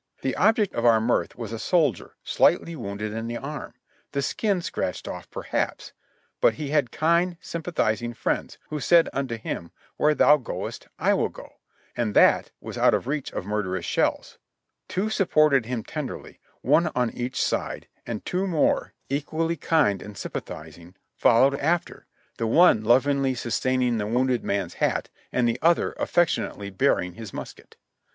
The object of our mirth was a soldier slightly wounded in the arm — the skin scratched off, perhaps; but he had kind, sympa thizing friends, who said unto him, "where thou goest, I will go," and that was out of the reach of murderous shells. Two sup ported him tenderly, one on each side, and two more, equally kind 134 JOHNNY RKB and BII.I,Y YANK and sympathizing , followed after, the one lovingly sustaining the wounded man's hat and the other affectionately bearing his musket.